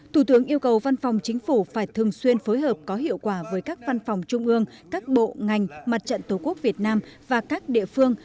thủ tướng yêu cầu văn phòng chính phủ phải thường xuyên phối hợp có hiệu quả với các văn phòng trung ương các bộ ngành mặt trận tổ quốc việt nam và các địa phương